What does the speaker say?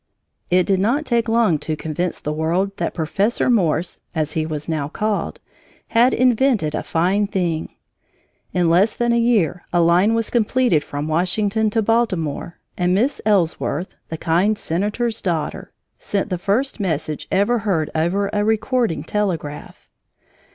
It did not take long to convince the world that Professor Morse (as he was now called) had invented a fine thing. In less than a year a line was completed from Washington to Baltimore, and Miss Ellsworth, the kind senator's daughter, sent the first message ever heard over a recording telegraph.